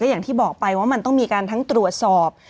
อย่างที่บอกไปว่ามันต้องมีการทั้งตรวจสอบ